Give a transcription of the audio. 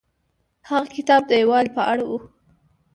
هغه کتاب د یووالي په اړه و.